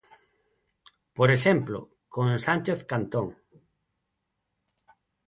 Por exemplo, con Sánchez Cantón.